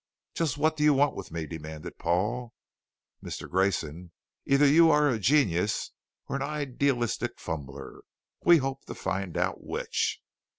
"Just what do you want with me?" demanded Paul. "Mister Grayson, either you are a genius or an idealistic fumbler. We hope to find out which."